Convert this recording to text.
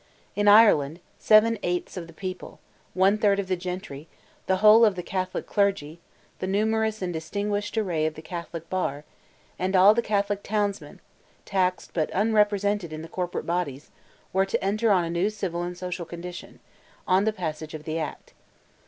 In Ireland, seven eighths of the people, one third of the gentry, the whole of the Catholic clergy, the numerous and distinguished array of the Catholic bar, and all the Catholic townsmen, taxed but unrepresented in the corporate bodies, were to enter on a new civil and social condition, on the passage of the act.